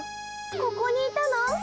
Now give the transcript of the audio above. ここにいたの？